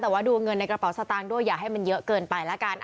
แต่ว่าดูเงินในกระเป๋าสตางค์ด้วยอย่าให้มันเยอะเกินไปละกัน